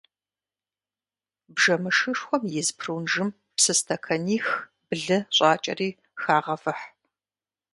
Бжэмышхышхуэм из прунжым псы стэканих-блы щӏакӏэри, хагъэвыхь.